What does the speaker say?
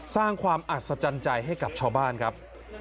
สร้างความอัศจรรย์ใจให้กับชาวบ้านครับ